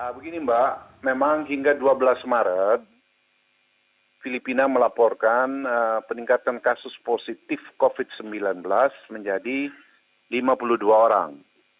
begini mbak memang hingga dua belas maret filipina melaporkan peningkatan kasus positif covid sembilan belas menjadi lima puluh dua orang